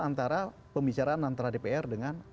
antara pembicaraan antara dpr